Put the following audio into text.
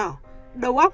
đầu óc không được đánh